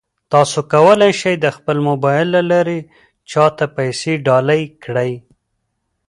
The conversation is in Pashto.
تاسو کولای شئ د خپل موبایل له لارې چا ته پیسې ډالۍ کړئ.